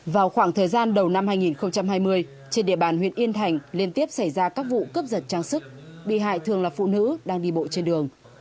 vào khoảng thời gian đầu năm hai nghìn hai mươi trên địa bàn huyện yên thành liên tiếp xảy ra các vụ cướp giật trang sức bị hại thường là phụ nữ đang đi bộ trên đường